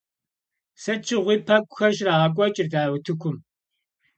Сыт щыгъуи пэкӀухэр щрагъэкӀуэкӀырт а утыкум.